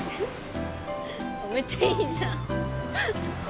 めっちゃいいじゃん